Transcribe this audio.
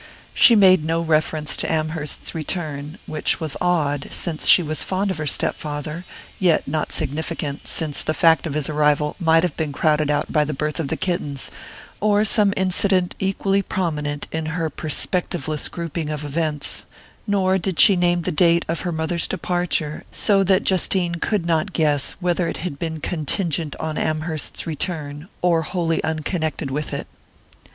She made no reference to Amherst's return, which was odd, since she was fond of her step father, yet not significant, since the fact of his arrival might have been crowded out by the birth of the kittens, or some incident equally prominent in her perspectiveless grouping of events; nor did she name the date of her mother's departure, so that Justine could not guess whether it had been contingent on Amherst's return, or wholly unconnected with it.